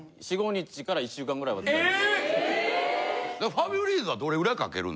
・ファブリーズはどれぐらいかけるん？